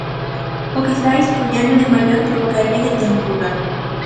Ou quizais, colléndoo de maior, provocaríalle tenrura.